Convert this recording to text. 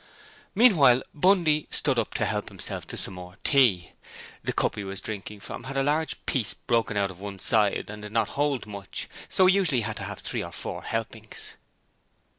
Meanwhile, Bundy stood up to help himself to some more tea. The cup he was drinking from had a large piece broken out of one side and did not hold much, so he usually had to have three or four helpings.